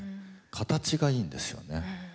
形がいいんですよね何か。